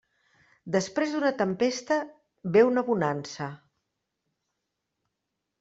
Després d'una tempesta ve una bonança.